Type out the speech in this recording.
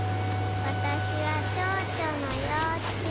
わたしはチョウチョのようちゅう。